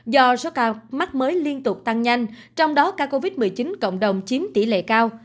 do số ca mắc mới liên tục tăng nhanh trong đó ca covid một mươi chín cộng đồng chiếm tỷ lệ cao